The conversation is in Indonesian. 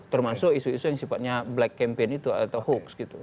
termasuk isu isu yang sifatnya black campaign itu atau hoax gitu